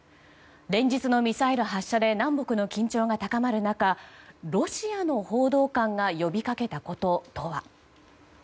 連日のミサイル発射で南北の緊張が高まる中ロシアの報道官が呼びかけたこととは。